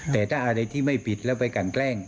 แต่ถ้าอะไรที่ไม่ผิดแล้วไปกันแกล้ง